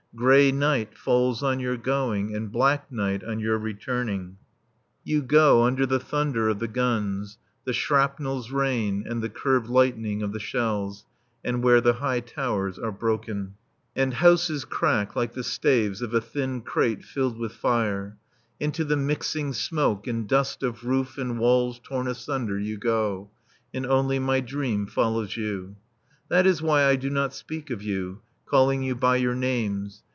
Grey night falls on your going and black night on your returning. You go Under the thunder of the guns, the shrapnel's rain and the curved lightning of the shells, And where the high towers are broken, And houses crack like the staves of a thin crate filled with fire; Into the mixing smoke and dust of roof and walls torn asunder You go; And only my dream follows you. That is why I do not speak of you, Calling you by your names.